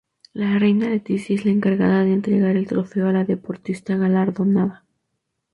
La reina Letizia es la encargada de entregar el trofeo a la deportista galardonada.